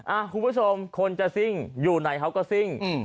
คุณผู้ชมคนจะซิ่งอยู่ไหนเขาก็ซิ่ง